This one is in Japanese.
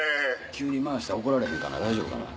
急に回したら怒られへんかな大丈夫かな。